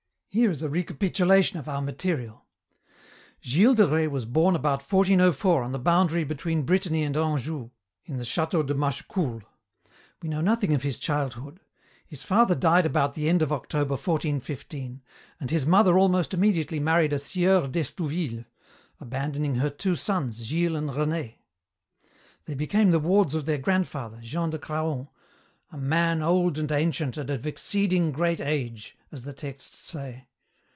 Here is a recapitulation of our material. "Gilles de Rais was born about 1404 on the boundary between Brittany and Anjou, in the château de Mâchecoul. We know nothing of his childhood. His father died about the end of October, 1415, and his mother almost immediately married a Sieur d'Estouville, abandoning her two sons, Gilles and René. They became the wards of their grandfather, Jean de Craon, 'a man old and ancient and of exceeding great age,' as the texts say.